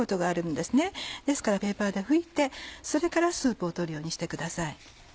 ですからペーパーで拭いてそれからスープを取るようにしてください。